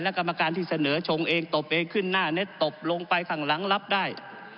และกรรมการที่เสนอชงเองตบเองขึ้นหน้าเน็ตตบลงไปข้างหลังรับได้